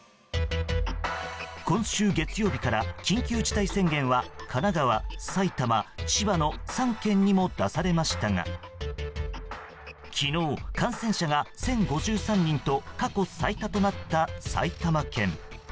今週月曜日から緊急事態宣言は神奈川、埼玉、千葉の３県にも出されましたが昨日、感染者が１０５３人と過去最多となった埼玉県。